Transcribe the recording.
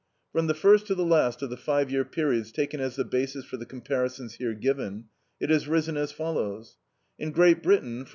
From the first to the last of the five year periods taken as the basis for the comparisons here given, it has risen as follows: In Great Britain, from $18.